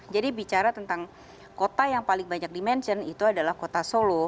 jadi bicara tentang kota yang paling banyak dimenjen itu adalah kota solo